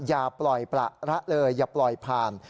อย่าปล่อยประละเลยอย่าปล่อยผ่าน